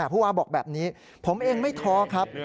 ผู้ว่าบอกแบบนี้ผมเองไม่ท้อครับ